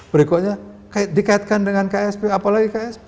berikutnya dikaitkan dengan ksp apalagi ksp